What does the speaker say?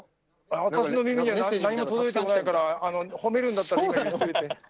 私の耳には何も届いていないから褒めるんだったらよそで。